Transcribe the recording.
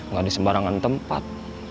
gak ada sembarangan tempat